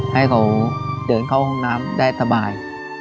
ให้เขาเดินเข้าห้องน้ำได้สบาย